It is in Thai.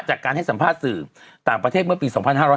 จากการให้สัมภาษณ์สื่อต่างประเทศเมื่อปี๒๕๕๙